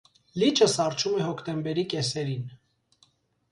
Լիճը սառչում է հոկտեմբերի կեսերին։